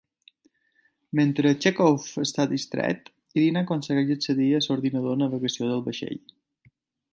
Mentre Chekov està distret, Irina aconsegueix accedir a l'ordinador de navegació del vaixell.